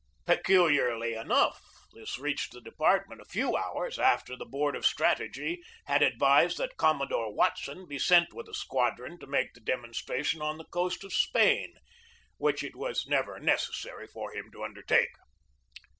Peculiarly enough, this reached the department a few hours after the board of strategy had advised that Commodore Watson be sent with a squadron to make the demon stration on the coast of Spain, which it was never necessary for him to undertake.